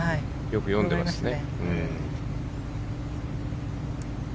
よく読んでますね。